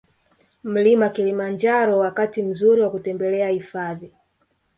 Mlima Kilimanjaro Wakati mzuri wa kutembelea hifadhi